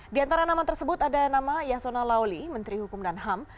di antara nama tersebut ada nama yasona lauli menteri hukum dan ham